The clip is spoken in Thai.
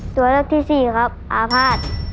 ตัวเลือกที่๔อาภาษ